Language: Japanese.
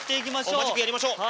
おっマジックやりましょう。